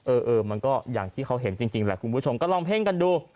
เออมันก็อย่างที่เขาเห็นจริงแหละคุณผู้ชมก็ลองเพ่งกันดู